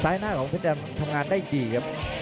หน้าของเพชรดำทำงานได้ดีครับ